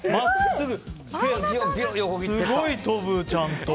すごい飛ぶ、ちゃんと。